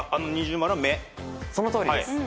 そのとおりです。